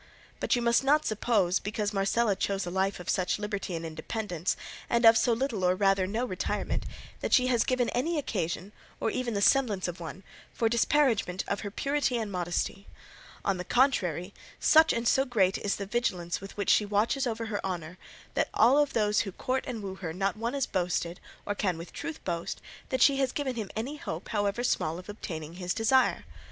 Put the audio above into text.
But you must not suppose, because Marcela chose a life of such liberty and independence, and of so little or rather no retirement, that she has given any occasion, or even the semblance of one, for disparagement of her purity and modesty; on the contrary, such and so great is the vigilance with which she watches over her honour, that of all those that court and woo her not one has boasted, or can with truth boast, that she has given him any hope however small of obtaining his desire.